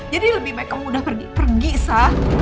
jadi lebih baik kamu udah pergi sa